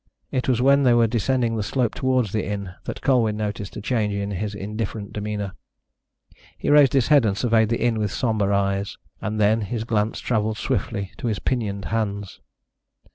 It was when they were descending the slope towards the inn that Colwyn noticed a change in his indifferent demeanour. He raised his head and surveyed the inn with sombre eyes, and then his glance travelled swiftly to his pinioned hands.